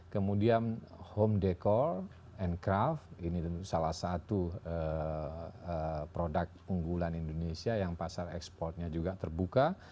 kemudian home decal and craft ini salah satu produk unggulan indonesia yang pasar ekspornya juga terbuka